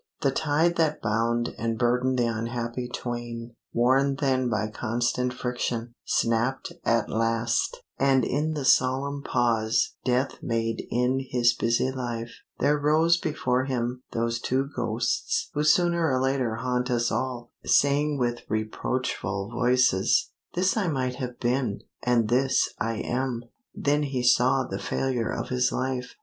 The tie that bound and burdened the unhappy twain, worn thin by constant friction, snapped at last, and in the solemn pause death made in his busy life, there rose before him those two ghosts who sooner or later haunt us all, saying with reproachful voices, "This I might have been," and "This I am." Then he saw the failure of his life.